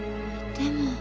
でも。